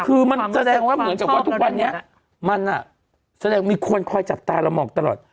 คือมันแสดงว่าเหมือนกับว่าทุกวันนี้มันแสดงมีคนคอยจับตาเราหมอกตลอด